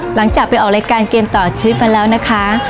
หลังจากไปออกรายการเกมต่อชีวิตมาแล้วนะคะ